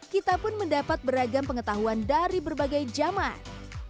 kita pun mendapat beragam pengetahuan dari berbagai zaman